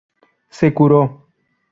Se curó.